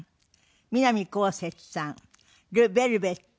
南こうせつさんＬＥＶＥＬＶＥＴＳ